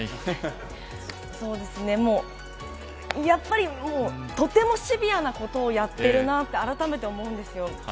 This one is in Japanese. やっぱりとてもシビアなことをやっているなって改めて思うんですよ。